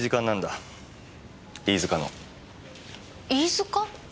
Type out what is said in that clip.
飯塚？